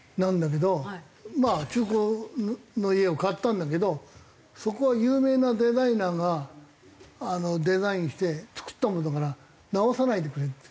まあ中古の家を買ったんだけどそこは有名なデザイナーがデザインして造ったものだから直さないでくれって。